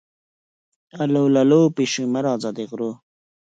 اللو للو، پیشو-پیشو مه راځه د غرو